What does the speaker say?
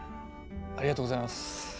ありがとうございます。